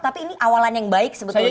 tapi ini awalan yang baik sebetulnya